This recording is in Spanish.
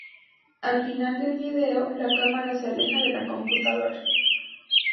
Al final del video, la cámara se aleja de la computadora...